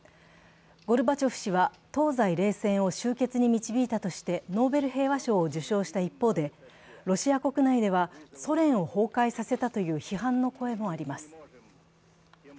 ゴルバチョフ氏は東西冷戦を終結に導いたとしてノーベル平和賞を受賞した一方でロシア国内ではソ連を崩壊させたという批判の声もあります。